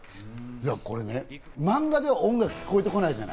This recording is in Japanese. これね、マンガでは音楽が聴こえてこないじゃない？